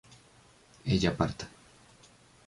ella parta